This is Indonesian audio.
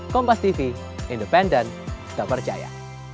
kompas tv independen tak percaya